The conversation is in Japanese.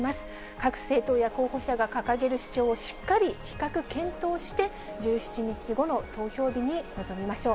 各政党や候補者が掲げる主張をしっかり比較検討して、１７日後の投票日に臨みましょう。